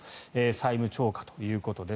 債務超過ということです。